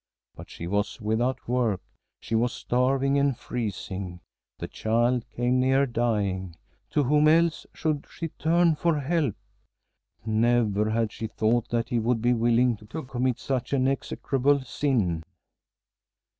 But she was without work; she was starving and freezing; the child came near dying. To whom else should she turn for help? Never had she thought that he would be willing to commit such an execrable sin.